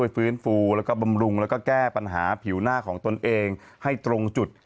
ฟื้นฟูแล้วก็บำรุงแล้วก็แก้ปัญหาผิวหน้าของตนเองให้ตรงจุด